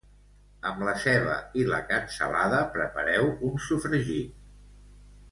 Amb la ceba i la cansalada, prepareu un sofregit.